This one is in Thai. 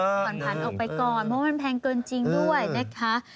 ผ่อนผันออกไปก่อนเพราะว่ามันแพงเกินจริงด้วยนะคะ